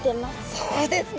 そうですね。